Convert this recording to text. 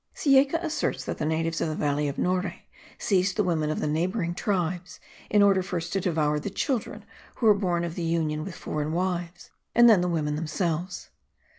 Cieca asserts that the natives of the valley of Nore seized the women of neighbouring tribes, in order first to devour the children who were born of the union with foreign wives, and then the women themselves.